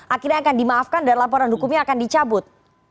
akhirnya akan dimaafkan dan laporan hukumnya akan dicabut